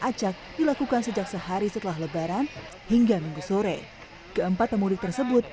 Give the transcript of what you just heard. acak dilakukan sejak sehari setelah lebaran hingga minggu sore keempat pemudik tersebut